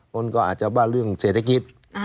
คนก็อาจจะว่าเรื่องเศรษฐกิจ